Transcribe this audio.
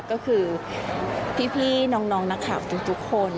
ก็คือพี่น้องนะครับทุกคน